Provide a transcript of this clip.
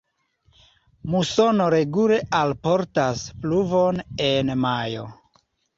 Musono regule alportas pluvon en majo.